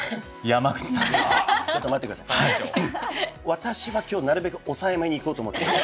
私は今日なるべく抑えめにいこうと思ってます。